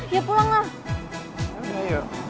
ya pulang lah